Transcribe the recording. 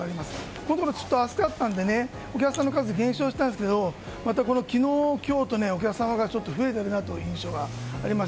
このところ暑かったのでお客さんの数は減少したんですがまた昨日、今日とお客様が増えているという印象があります。